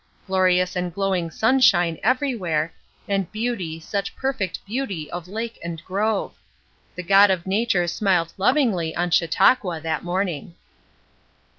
Glorious and glowing sunshine everywhere; and beauty, such perfect beauty of lake and grove! The God of nature smiled lovingly on Chautauqua that morning.